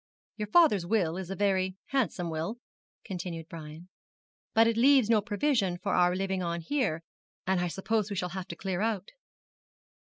'Your father's will is a very handsome will,' continued Brian, 'but it leaves no provision for our living on here, and I suppose we shall have to clear out.'